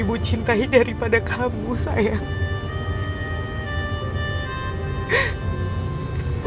ibu cintai daripada kamu sayang